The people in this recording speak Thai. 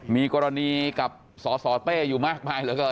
มีกรณีกับสสเป้อยู่มากมายแล้วกัน